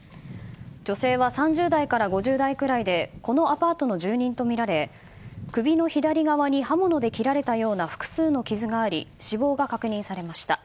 女性は３０代から５０代くらいでこのアパートの住人とみられ首の左側に刃物で切られたような複数の傷があり死亡が確認されました。